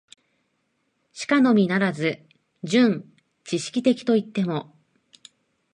しかのみならず、純知識的といっても、